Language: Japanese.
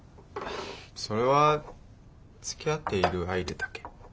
それはつきあっている相手だけ。